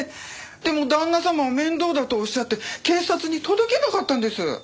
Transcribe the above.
でも旦那様は面倒だとおっしゃって警察に届けなかったんです。